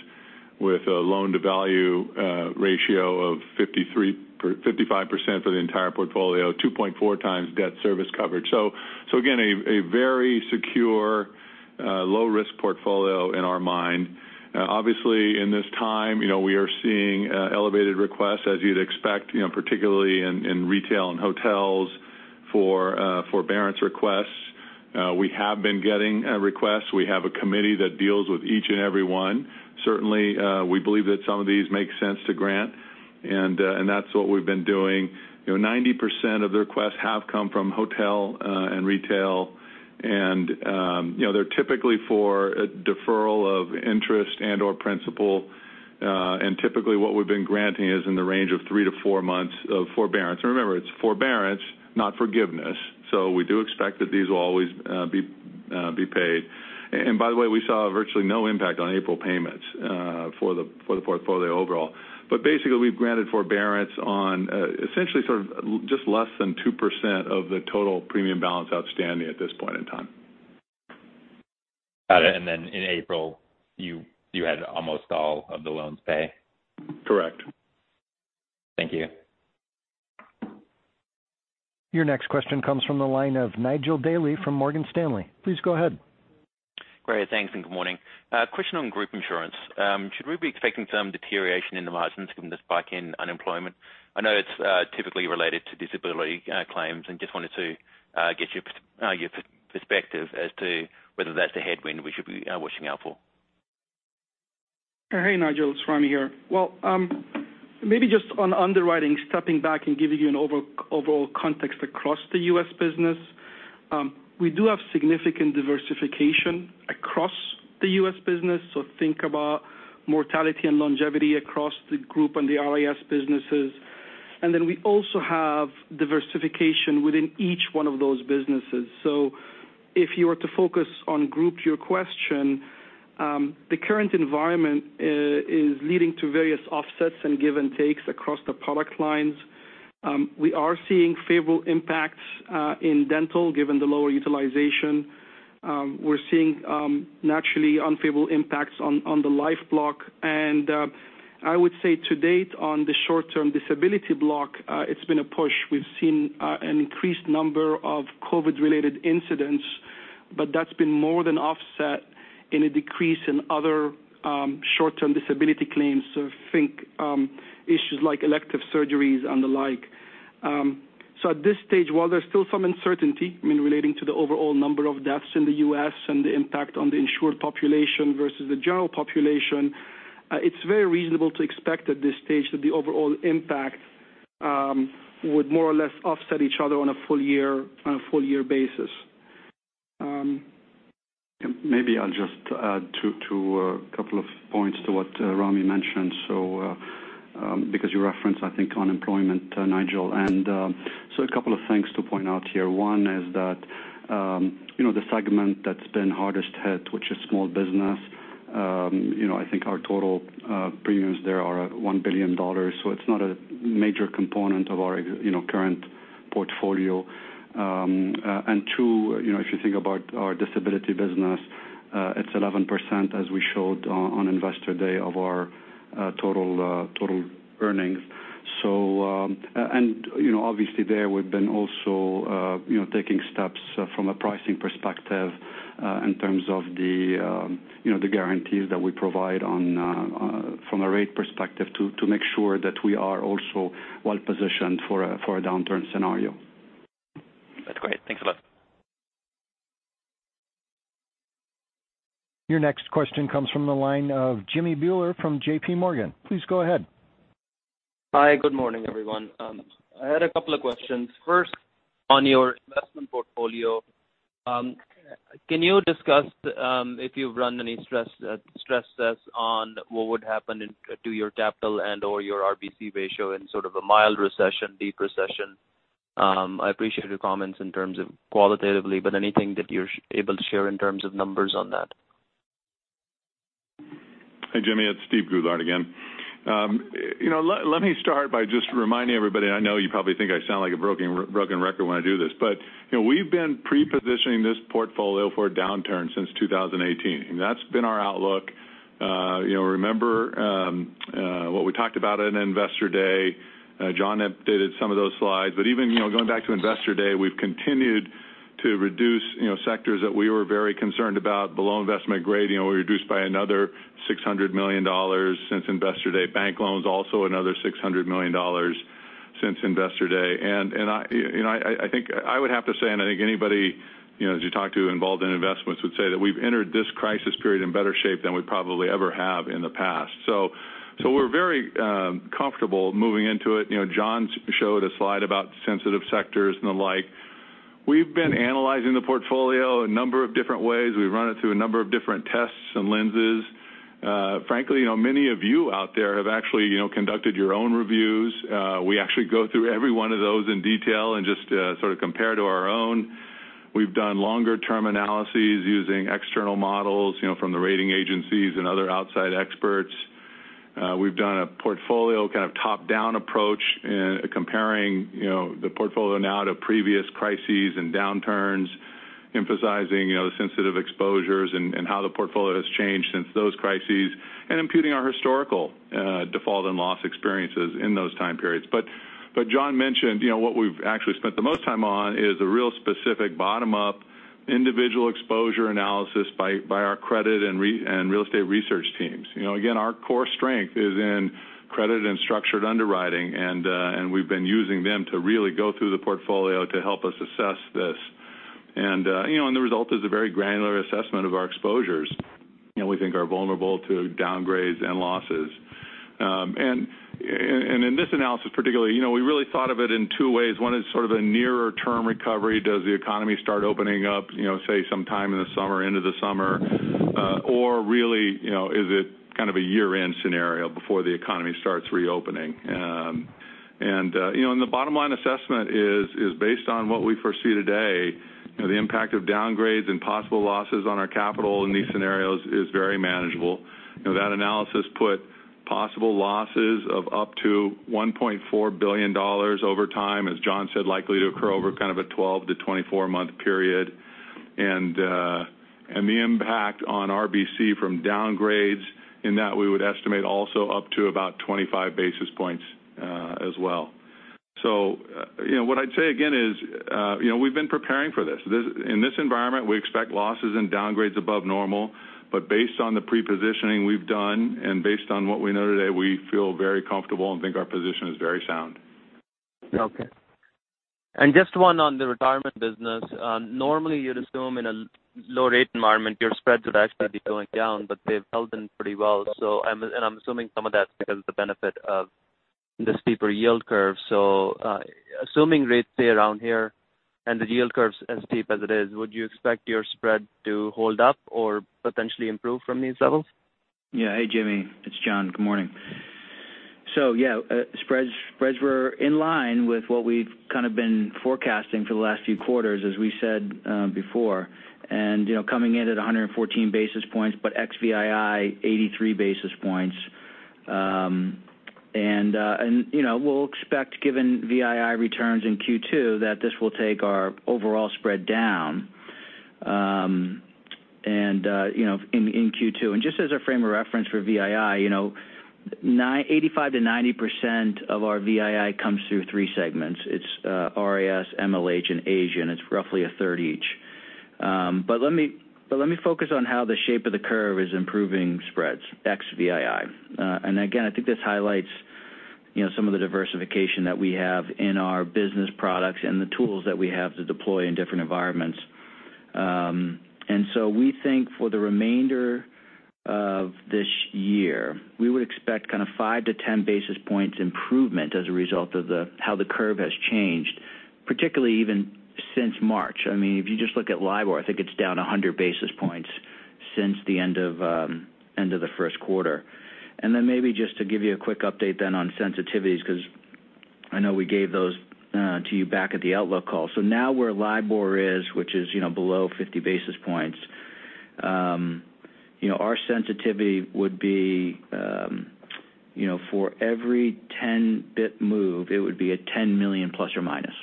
with a loan-to-value ratio of 55% for the entire portfolio, 2.4 times debt service coverage. Again, a very secure, low-risk portfolio in our mind. Obviously, in this time, we are seeing elevated requests, as you'd expect, particularly in retail and hotels for forbearance requests. We have been getting requests. We have a committee that deals with each and every one. Certainly, we believe that some of these make sense to grant, and that's what we've been doing. 90% of the requests have come from hotel and retail, and they're typically for a deferral of interest and/or principal. Typically, what we've been granting is in the range of three to four months of forbearance. Remember, it's forbearance, not forgiveness. We do expect that these will always be paid. By the way, we saw virtually no impact on April payments for the portfolio overall. Basically, we've granted forbearance on essentially just less than 2% of the total premium balance outstanding at this point in time. Got it. In April, you had almost all of the loans paid? Correct. Thank you. Your next question comes from the line of Nigel Daly from Morgan Stanley. Please go ahead. Great. Thanks, and good morning. Question on group insurance. Should we be expecting some deterioration in the margins given this spike in unemployment? I know it's typically related to disability claims, and just wanted to get your perspective as to whether that's a headwind we should be watching out for. Hey, Nigel. It's Ramy here. Maybe just on underwriting, stepping back and giving you an overall context across the U.S. business, we do have significant diversification across the U.S. business. Think about mortality and longevity across the group and the RIS businesses. We also have diversification within each one of those businesses. If you were to focus on group, your question, the current environment is leading to various offsets and give and takes across the product lines. We are seeing favorable impacts in dental given the lower utilization. We're seeing naturally unfavorable impacts on the life block. I would say to date on the short-term disability block, it's been a push. We've seen an increased number of COVID-related incidents, but that's been more than offset in a decrease in other short-term disability claims. Think issues like elective surgeries and the like. At this stage, while there's still some uncertainty relating to the overall number of deaths in the U.S. and the impact on the insured population versus the general population, it's very reasonable to expect at this stage that the overall impact would more or less offset each other on a full-year basis. Maybe I'll just add to a couple of points to what Ramy mentioned. Because you referenced, I think, unemployment, Nigel. A couple of things to point out here. One is that the segment that's been hardest hit, which is small business, I think our total premiums there are $1 billion. It's not a major component of our current portfolio. If you think about our disability business, it's 11%, as we showed on Investor Day, of our total earnings. Obviously, there we've been also taking steps from a pricing perspective in terms of the guarantees that we provide from a rate perspective to make sure that we are also well-positioned for a downturn scenario. That's great. Thanks a lot. Your next question comes from the line of Jimmy Bhullar from JP Morgan. Please go ahead. Hi, good morning, everyone. I had a couple of questions. First, on your investment portfolio, can you discuss if you've run any stress tests on what would happen to your capital and/or your RBC ratio in sort of a mild recession, deep recession? I appreciate your comments in terms of qualitatively, but anything that you're able to share in terms of numbers on that? Hey, Jimmy. It's Steve Goulart again. Let me start by just reminding everybody, and I know you probably think I sound like a broken record when I do this, but we've been prepositioning this portfolio for a downturn since 2018. That's been our outlook. Remember what we talked about at investor day? John updated some of those slides. Even going back to investor day, we've continued to reduce sectors that we were very concerned about. The loan investment grade, we reduced by another $600 million since investor day. Bank loans, also another $600 million since investor day. I think I would have to say, and I think anybody you talk to involved in investments would say that we've entered this crisis period in better shape than we probably ever have in the past. We are very comfortable moving into it. John showed a slide about sensitive sectors and the like. We've been analyzing the portfolio a number of different ways. We've run it through a number of different tests and lenses. Frankly, many of you out there have actually conducted your own reviews. We actually go through every one of those in detail and just sort of compare to our own. We've done longer-term analyses using external models from the rating agencies and other outside experts. We've done a portfolio kind of top-down approach in comparing the portfolio now to previous crises and downturns, emphasizing the sensitive exposures and how the portfolio has changed since those crises, and imputing our historical default and loss experiences in those time periods. John mentioned what we've actually spent the most time on is a real specific bottom-up individual exposure analysis by our credit and real estate research teams. Again, our core strength is in credit and structured underwriting, and we've been using them to really go through the portfolio to help us assess this. The result is a very granular assessment of our exposures. We think are vulnerable to downgrades and losses. In this analysis, particularly, we really thought of it in two ways. One is sort of a nearer-term recovery. Does the economy start opening up, say, sometime in the summer, into the summer? Or really, is it kind of a year-end scenario before the economy starts reopening? The bottom-line assessment is based on what we foresee today. The impact of downgrades and possible losses on our capital in these scenarios is very manageable. That analysis put possible losses of up to $1.4 billion over time, as John said, likely to occur over kind of a 12-24 month period. The impact on RBC from downgrades, in that we would estimate also up to about 25 basis points as well. What I'd say again is we've been preparing for this. In this environment, we expect losses and downgrades above normal. Based on the prepositioning we've done and based on what we know today, we feel very comfortable and think our position is very sound. Okay. Just one on the retirement business. Normally, you'd assume in a low-rate environment, your spreads would actually be going down, but they've held in pretty well. I'm assuming some of that's because of the benefit of the steeper yield curve. Assuming rates stay around here and the yield curve's as steep as it is, would you expect your spread to hold up or potentially improve from these levels? Yeah. Hey, Jimmy. It's John. Good morning. Yeah, spreads were in line with what we've kind of been forecasting for the last few quarters, as we said before. Coming in at 114 basis points, but ex-VII, 83 basis points. We'll expect, given VII returns in Q2, that this will take our overall spread down in Q2. Just as a frame of reference for VII, 85-90% of our VII comes through three segments. It's RIS, MLH, and Asian. It's roughly a third each. Let me focus on how the shape of the curve is improving spreads ex-VII. I think this highlights some of the diversification that we have in our business products and the tools that we have to deploy in different environments. We think for the remainder of this year, we would expect kind of 5-10 basis points improvement as a result of how the curve has changed, particularly even since March. I mean, if you just look at LIBOR, I think it's down 100 basis points since the end of the first quarter. I mean, maybe just to give you a quick update then on sensitivities, because I know we gave those to you back at the outlook call. Now where LIBOR is, which is below 50 basis points, our sensitivity would be for every 10 basis point move, it would be a $10 million plus or minus,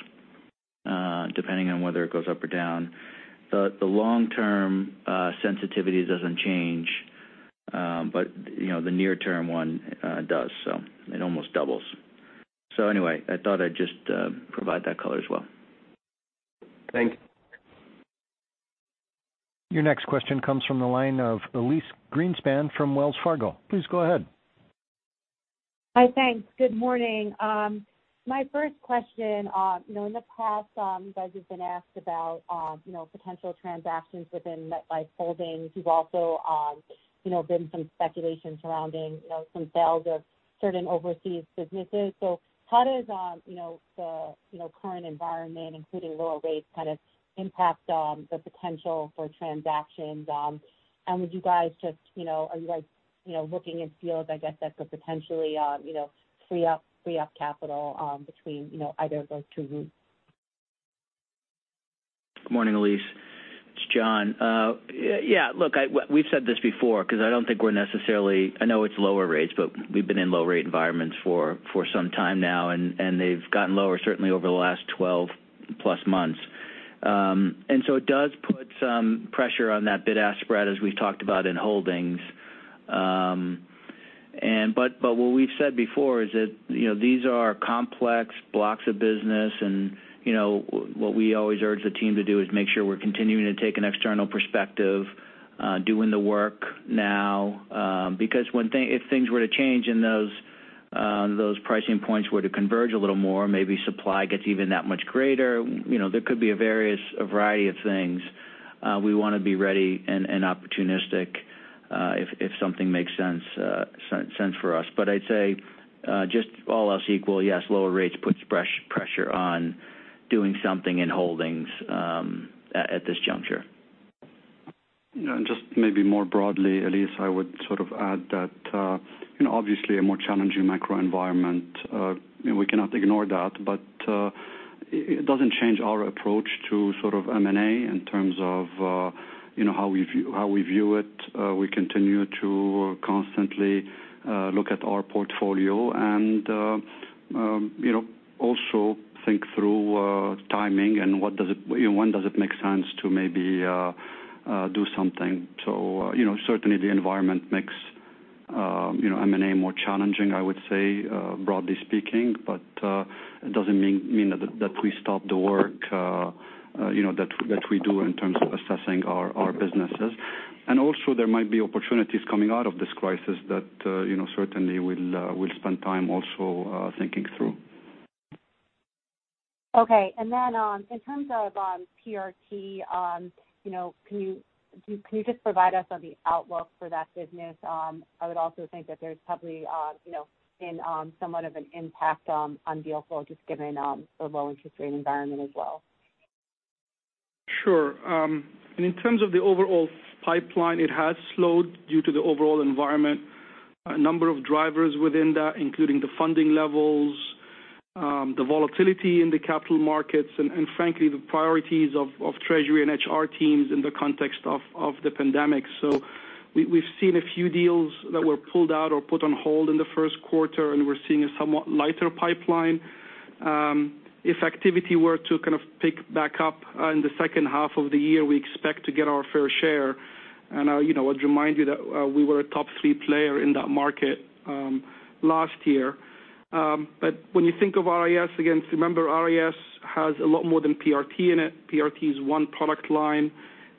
depending on whether it goes up or down. The long-term sensitivity doesn't change, but the near-term one does. It almost doubles. I thought I'd just provide that color as well. Thank you. Your next question comes from the line of Elise Greenspan from Wells Fargo. Please go ahead. Hi, thanks. Good morning. My first question, in the past, you guys have been asked about potential transactions within MetLife Holdings. There's also been some speculation surrounding some sales of certain overseas businesses. How does the current environment, including lower rates, kind of impact the potential for transactions? Are you guys looking at deals, I guess, that could potentially free up capital between either of those two groups? Good morning, Elise. It's John. Yeah, look, we've said this before because I don't think we're necessarily—I know it's lower rates, but we've been in low-rate environments for some time now, and they've gotten lower, certainly, over the last 12-plus months. It does put some pressure on that bid-ask spread, as we've talked about, in holdings. What we've said before is that these are complex blocks of business, and what we always urge the team to do is make sure we're continuing to take an external perspective, doing the work now. Because if things were to change and those pricing points were to converge a little more, maybe supply gets even that much greater, there could be a variety of things. We want to be ready and opportunistic if something makes sense for us. I'd say, just all else equal, yes, lower rates puts pressure on doing something in holdings at this juncture. Just maybe more broadly, Elise, I would sort of add that, obviously, a more challenging microenvironment, we cannot ignore that. It does not change our approach to sort of M&A in terms of how we view it. We continue to constantly look at our portfolio and also think through timing and when does it make sense to maybe do something. Certainly, the environment makes M&A more challenging, I would say, broadly speaking. It does not mean that we stop the work that we do in terms of assessing our businesses. Also, there might be opportunities coming out of this crisis that certainly we will spend time also thinking through. Okay. In terms of PRT, can you just provide us on the outlook for that business? I would also think that there's probably been somewhat of an impact on deal flow, just given the low-interest rate environment as well. Sure. In terms of the overall pipeline, it has slowed due to the overall environment, a number of drivers within that, including the funding levels, the volatility in the capital markets, and frankly, the priorities of treasury and HR teams in the context of the pandemic. We have seen a few deals that were pulled out or put on hold in the first quarter, and we are seeing a somewhat lighter pipeline. If activity were to kind of pick back up in the second half of the year, we expect to get our fair share. I would remind you that we were a top three player in that market last year. When you think of RIS, again, remember, RIS has a lot more than PRT in it. PRT is one product line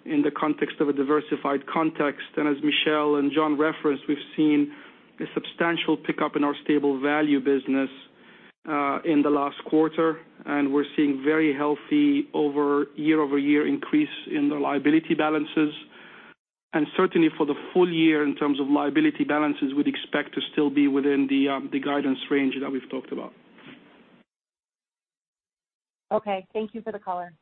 in the context of a diversified context. As Michel and John referenced, we have seen a substantial pickup in our stable value business in the last quarter. We are seeing very healthy year-over-year increase in the liability balances. Certainly, for the full year, in terms of liability balances, we would expect to still be within the guidance range that we have talked about. Okay. Thank you for the color.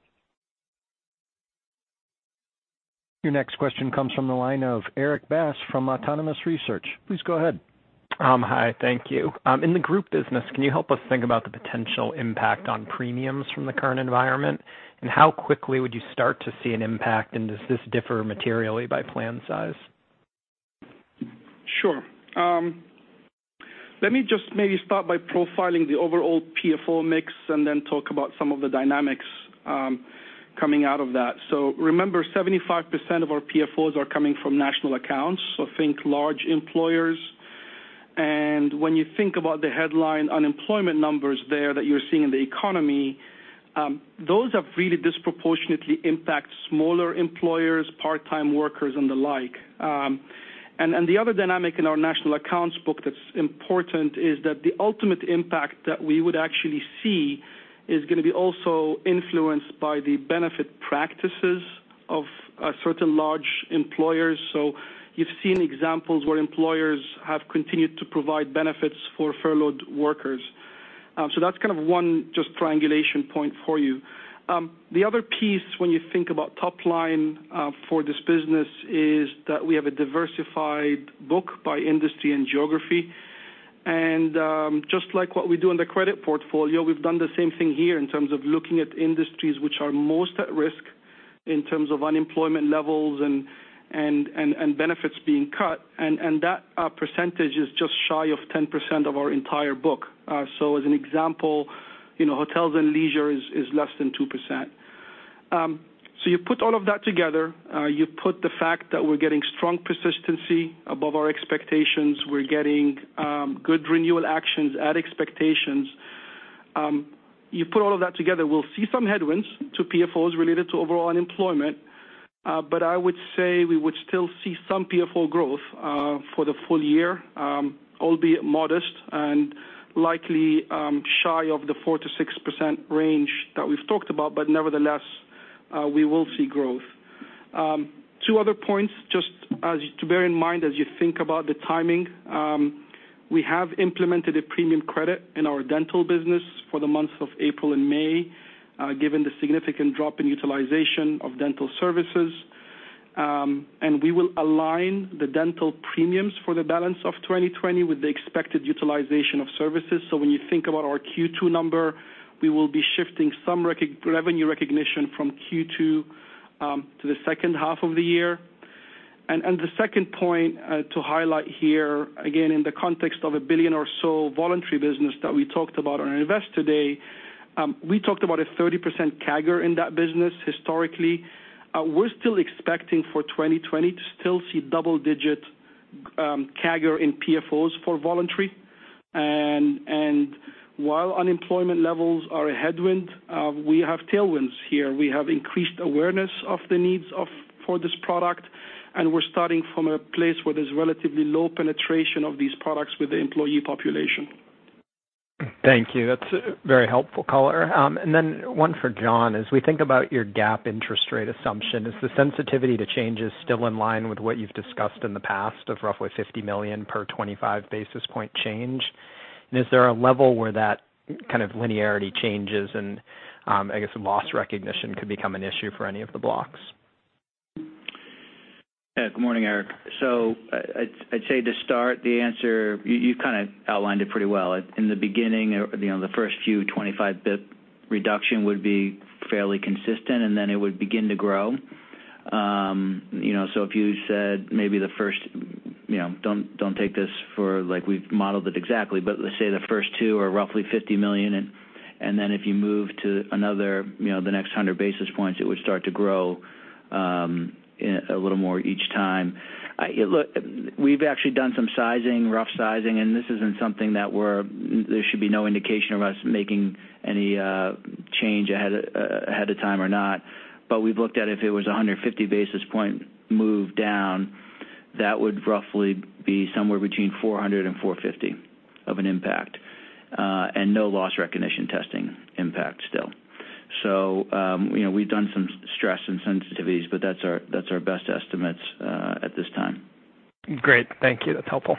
Your next question comes from the line of Eric Bass from Autonomous Research. Please go ahead. Hi, thank you. In the group business, can you help us think about the potential impact on premiums from the current environment? How quickly would you start to see an impact, and does this differ materially by plan size? Sure. Let me just maybe start by profiling the overall PFO mix and then talk about some of the dynamics coming out of that. Remember, 75% of our PFOs are coming from national accounts, so think large employers. When you think about the headline unemployment numbers there that you're seeing in the economy, those have really disproportionately impacted smaller employers, part-time workers, and the like. The other dynamic in our national accounts book that's important is that the ultimate impact that we would actually see is going to be also influenced by the benefit practices of certain large employers. You've seen examples where employers have continued to provide benefits for furloughed workers. That's kind of one just triangulation point for you. The other piece, when you think about top line for this business, is that we have a diversified book by industry and geography. Just like what we do in the credit portfolio, we've done the same thing here in terms of looking at industries which are most at risk in terms of unemployment levels and benefits being cut. That percentage is just shy of 10% of our entire book. As an example, hotels and leisure is less than 2%. You put all of that together. You put the fact that we're getting strong persistency above our expectations. We're getting good renewal actions at expectations. You put all of that together. We'll see some headwinds to PFOs related to overall unemployment. I would say we would still see some PFO growth for the full year, albeit modest and likely shy of the 4-6% range that we've talked about. Nevertheless, we will see growth. Two other points, just to bear in mind as you think about the timing. We have implemented a premium credit in our dental business for the months of April and May, given the significant drop in utilization of dental services. We will align the dental premiums for the balance of 2020 with the expected utilization of services. When you think about our Q2 number, we will be shifting some revenue recognition from Q2 to the second half of the year. The second point to highlight here, again, in the context of a billion or so voluntary business that we talked about on Invest Today, we talked about a 30% CAGR in that business historically. We're still expecting for 2020 to still see double-digit CAGR in PFOs for voluntary. While unemployment levels are a headwind, we have tailwinds here. We have increased awareness of the needs for this product. We are starting from a place where there is relatively low penetration of these products with the employee population. Thank you. That's very helpful color. One for John, as we think about your GAAP interest rate assumption, is the sensitivity to change still in line with what you've discussed in the past of roughly $50 million per 25 basis point change? Is there a level where that kind of linearity changes and, I guess, loss recognition could become an issue for any of the blocks? Yeah. Good morning, Erik. I'd say to start, the answer, you kind of outlined it pretty well. In the beginning, the first few 25-basis point reduction would be fairly consistent, and then it would begin to grow. If you said maybe the first—do not take this for like we've modeled it exactly—but let's say the first two are roughly $50 million. If you move to another, the next 100 basis points, it would start to grow a little more each time. Look, we've actually done some sizing, rough sizing. This is not something that we're—there should be no indication of us making any change ahead of time or not. We've looked at if it was a 150-basis point move down, that would roughly be somewhere between $400 million and $450 million of an impact and no loss recognition testing impact still. We've done some stress and sensitivities, but that's our best estimates at this time. Great. Thank you. That's helpful.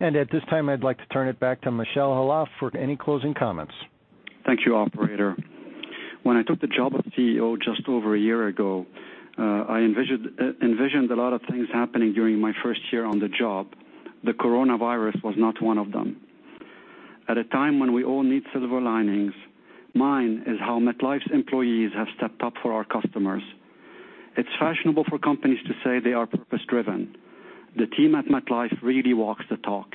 At this time, I'd like to turn it back to Michel Khalaf for any closing comments. Thank you, operator. When I took the job of CEO just over a year ago, I envisioned a lot of things happening during my first year on the job. The coronavirus was not one of them. At a time when we all need silver linings, mine is how MetLife's employees have stepped up for our customers. It's fashionable for companies to say they are purpose-driven. The team at MetLife really walks the talk.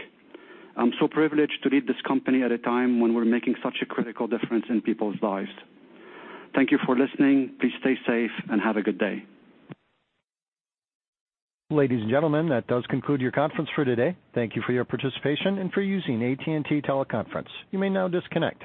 I'm so privileged to lead this company at a time when we're making such a critical difference in people's lives. Thank you for listening. Please stay safe and have a good day. Ladies and gentlemen, that does conclude your conference for today. Thank you for your participation and for using AT&T Teleconference. You may now disconnect.